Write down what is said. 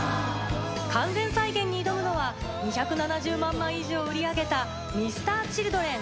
完全再現に挑むのは２７０万枚以上売り上げたＭｒ．Ｃｈｉｌｄｒｅｎ